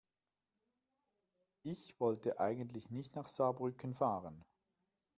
Ich wollte eigentlich nicht nach Saarbrücken fahren